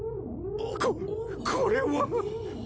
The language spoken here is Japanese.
・ここれは！